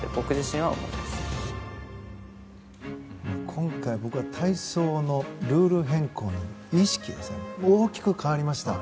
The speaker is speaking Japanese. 今回、僕は体操のルール変更の意識が大きく変わりました。